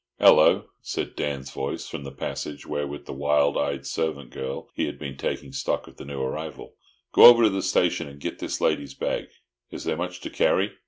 "'Ello," said Dan's voice, from the passage, where, with the wild eyed servant girl, he had been taking stock of the new arrival. "Go over to the station and git this lady's bag. Is there much to carry?"